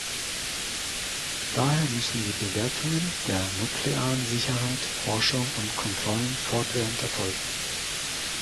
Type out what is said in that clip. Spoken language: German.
Daher müssen die Bewertungen der nuklearen Sicherheit, Forschung und Kontrollen fortwährend erfolgen.